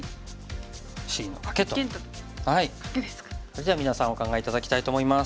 それじゃあ皆さんお考え頂きたいと思います。